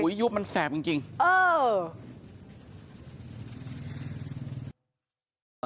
ยุบมันแสบจริงจริงเออ